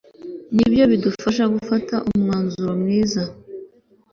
ni byo bidufasha gufata imyanzuro myiza